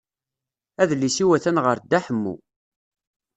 Adlis-iw atan ɣer Dda Ḥemmu.